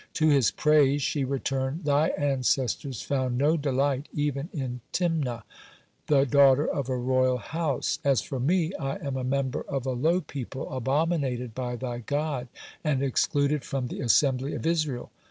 To his praise she returned: "Thy ancestors found no delight even in Timna, (52) the daughter of a royal house. As for me, I am a member of a low people, abominated by thy God, and excluded from the assembly of Israel."